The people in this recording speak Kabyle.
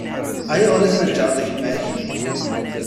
Ayɣer i tneǧǧɛeḍ gma-k?